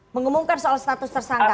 mengumumkan soal status tersangka